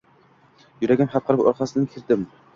Yuragim hapqirib orqasidan kirdim.